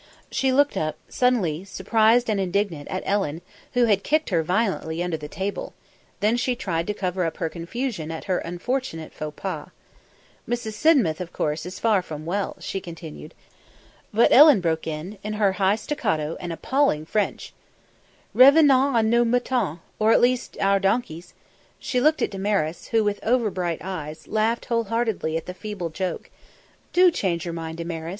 She looked up, suddenly, surprised and indignant, at Ellen, who had kicked her violently under the table; then she tried to cover up her confusion at her unfortunate faux pas. "Mrs. Sidmouth, of course, is far from well," she continued. But Ellen broke in, in her high staccato and appalling French: "Revenons à nos moutons or at least, our donkeys." She looked at Damaris, who, with over bright eyes, laughed whole heartedly at the feeble joke. "Do change your mind, Damaris.